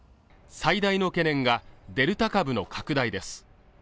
最大の懸念がデルタ株の拡大です